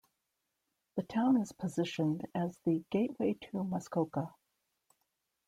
The town is positioned as the "Gateway to Muskoka".